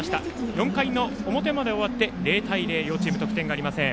４回の表まで終わって０対０と両チーム得点がありません。